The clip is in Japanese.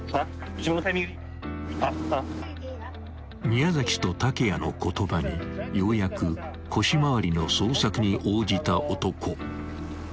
［宮と竹谷の言葉にようやく腰回りの捜索に応じた男］